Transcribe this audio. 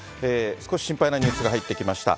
少し心配なニュースが入ってきました。